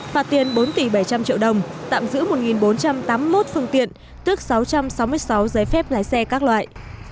phạt tiền bốn tỷ bảy trăm linh triệu đồng tạm giữ một bốn trăm tám mươi một phương tiện tức sáu trăm sáu mươi sáu giấy phép lái xe các loại